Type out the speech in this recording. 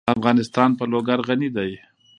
افغانستان په لوگر غني دی.